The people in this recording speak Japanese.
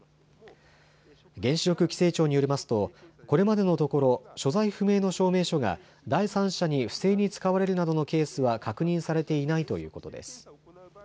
原子力規制庁によりますとこれまでのところ所在不明の証明書が第三者に不正に使われるなどのケースは確認されていないということです。